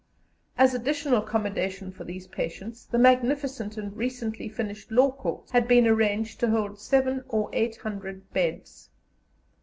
As additional accommodation for these patients, the magnificent and recently finished Law Courts had been arranged to hold seven or eight hundred beds.